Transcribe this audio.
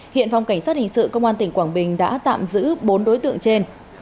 hiện phòng cảnh sát hình sự công an tỉnh quảng bình đã tạm giữ bốn đối tượng trên